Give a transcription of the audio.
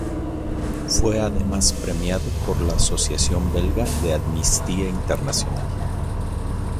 Fue además premiado por la asociación belga de Amnistía Internacional.